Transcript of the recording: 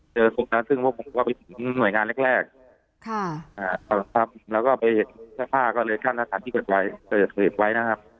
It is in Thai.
ศพนั้นซึ่งพวกผมก็ไปถึงหน่วยงานแรกแล้วก็ไปเห็นเสื้อผ้าก็เลยกั้นสถานที่เก็บไว้เปิดไว้นะครับ